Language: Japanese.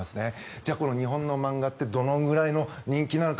じゃあ日本の漫画ってどのくらいの人気なのか。